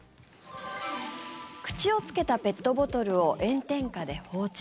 口をつけたペットボトルを炎天下で放置。